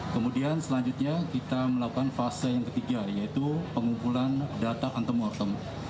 kemudian selanjutnya kita melakukan fase yang ketiga yaitu pengumpulan data antemortem